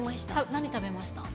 何食べました？